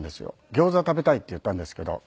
「ギョーザ食べたい」って言ったんですけど。